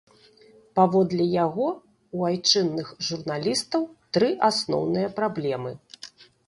Паводле яго, у айчынных журналістаў тры асноўныя праблемы.